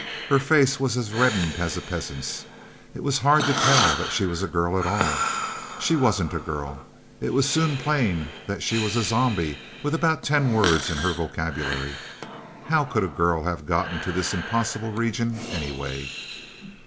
Her face was as reddened as a peasant's. It was hard to tell that she was a girl at all. She wasn't a girl. It was soon plain that she was a zombie with about ten words in her vocabulary. How could a girl have gotten to this impossible region, anyway?